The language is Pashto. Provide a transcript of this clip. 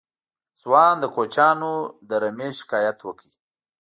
ځوان د کوچيانو له رمې شکايت وکړ.